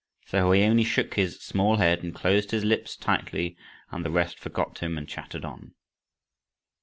So he only shook his small head and closed his lips tightly, and the rest forgot him and chattered on.